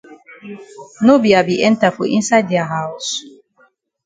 No be I be enter for inside dia haus.